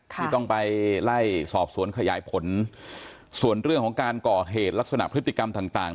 ที่ต้องไปไล่สอบสวนขยายผลส่วนเรื่องของการก่อเหตุลักษณะพฤติกรรมต่างต่าง